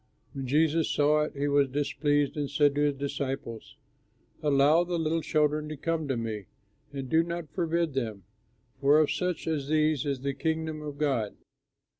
When Jesus saw it, he was displeased and said to his disciples, "Allow the little children to come to me; and do not forbid them, for of such as these is the Kingdom of God.